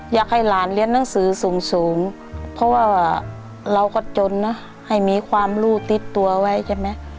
อยากให้หลานเรียนหนังสือสูงเพราะว่าเราก็จนนะให้มีความรู้ติดตัวไว้ใช่ไหม